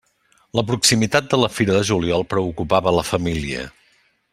La proximitat de la Fira de Juliol preocupava la família.